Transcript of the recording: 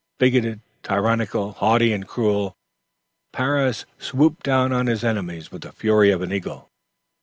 Bigoted, tyrannical, haughty and cruel, Parris swooped down on his enemies with the fury of an eagle.